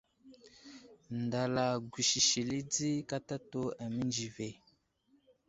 Ndala gusisili di katatu amənzi ve.